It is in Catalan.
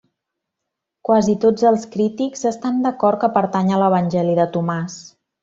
Quasi tots els crítics estan d'acord que pertany a l'Evangeli de Tomàs.